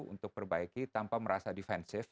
untuk perbaiki tanpa merasa defensif